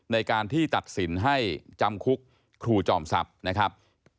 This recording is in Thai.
ในการที่ตัดสินให้จำคุกครูจอมทรัพย์นะครับ